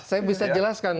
saya bisa jelaskan